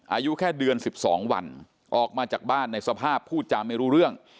อายุแค่เดือน๑๒วันออกมาจากบ้านในสภาพพูดจาไม่รู้เรื่อง